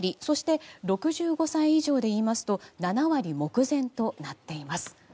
そして、６５歳以上ですと７割目前となっています。